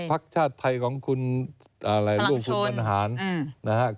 พักชาติไทยของคุณลูกคุณบรรหารพลังชน